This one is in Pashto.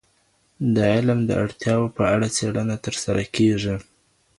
د علم د اړتیاوو په اړه څیړنه ترسره کیږي.